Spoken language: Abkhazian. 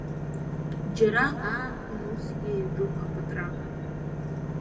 Џьара ааԥын усгьы иаҿуп апытра.